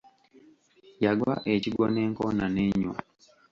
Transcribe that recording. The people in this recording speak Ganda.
Yagwa ekigwo n'enkoona nenywa.